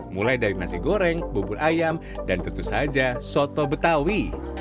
mulai dari nasi goreng bubur ayam dan tentu saja soto betawi